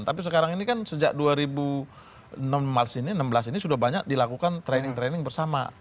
tapi sekarang ini kan sejak dua ribu enam belas ini enam belas ini sudah banyak dilakukan training training bersama